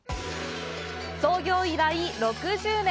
創業以来６０年。